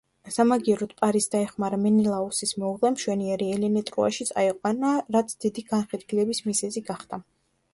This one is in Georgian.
სამაგიეროდ პარისს დაეხმარა მენელაოსის მეუღლე მშვენიერი ელენე ტროაში წაეყვანა, რაც დიდი განხეთქილების მიზეზი გახდა.